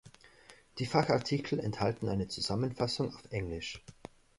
Die Fachartikel enthalten eine Zusammenfassung auf Englisch.